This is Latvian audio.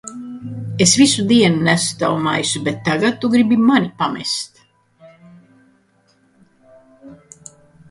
Es visu dienu nesu tavu maisu, bet tagad tu gribi mani pamest?